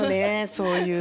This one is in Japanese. そうそう。